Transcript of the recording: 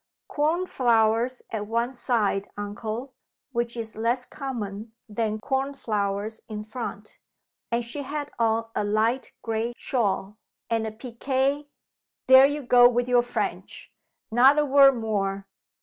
Corn flowers at one side uncle, which is less common than cornflowers in front. And she had on a light gray shawl. And a Pique; " "There you go with your French! Not a word more!